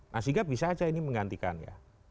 nah sehingga bisa saja ini menggantikan ya